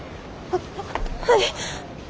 あっはい。